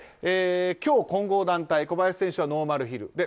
今日、混合団体小林選手はノーマルヒル。